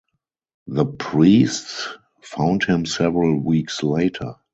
The priests found him several weeks later.